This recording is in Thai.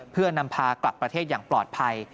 เพื่อนำพากลับประเทศอย่างปลอดภัย